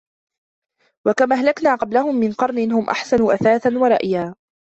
وكم أهلكنا قبلهم من قرن هم أحسن أثاثا ورئيا